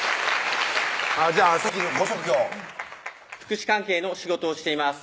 じゃあ先にご職業福祉関係の仕事をしています